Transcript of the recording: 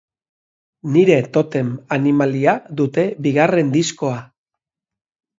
Nire totem animalia dute bigarren diskoa.